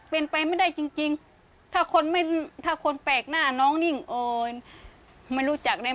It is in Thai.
เป็นชัศนคุณอย่าลูกลู